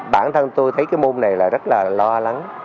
bản thân tôi thấy cái môn này là rất là lo lắng